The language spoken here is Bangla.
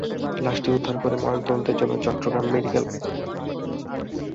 লাশটি উদ্ধার করে ময়নাতদন্তের জন্য চট্টগ্রাম মেডিকেল কলেজের মর্গে পাঠানো হয়েছে।